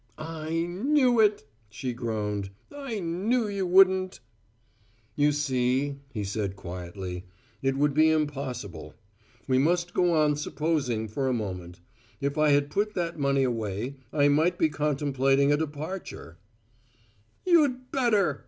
"I knew it!" she groaned. "I knew you wouldn't!" "You see," he said quietly, "it would be impossible. We must go on supposing for a moment: if I had put that money away, I might be contemplating a departure " "You'd better!"